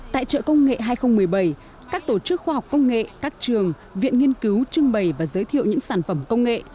tại chợ công nghệ hai nghìn một mươi bảy các tổ chức khoa học công nghệ các trường viện nghiên cứu trưng bày và giới thiệu những sản phẩm công nghệ